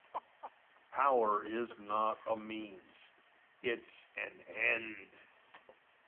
Power is not a means, it is an end.